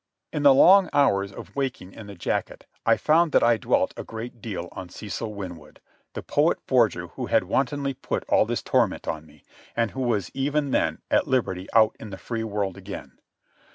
In the long hours of waking in the jacket I found that I dwelt a great deal on Cecil Winwood, the poet forger who had wantonly put all this torment on me, and who was even then at liberty out in the free world again.